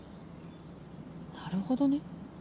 なるほどね。